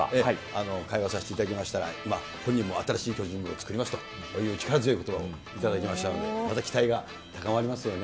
会話させていただきましたが、本人も新しい巨人軍を作りますという力強いおことばをいただきましたので、また期待が高まりますよね。